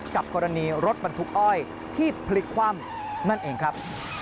กับกรณีรถบรรทุกอ้อยที่พลิกคว่ำนั่นเองครับ